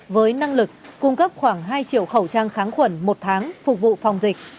với năng lực cung cấp khoảng hai triệu khẩu trang kháng khuẩn một tháng phục vụ phòng dịch